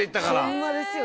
ホンマですよ